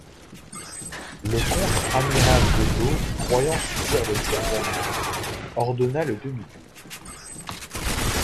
Le contre-amiral Gotō, croyant subir des tirs amis, ordonna le demi-tour.